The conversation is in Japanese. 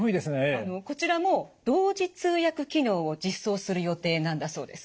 こちらも同時通訳機能を実装する予定なんだそうです。